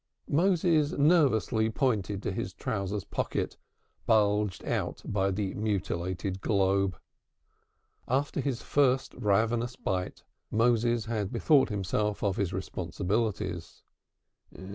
Moses nervously pointed to his trousers pocket, bulged out by the mutilated globe. After his first ravenous bite Moses had bethought himself of his responsibilities.